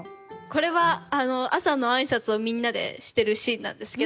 これは朝の挨拶をみんなでしてるシーンなんですけど。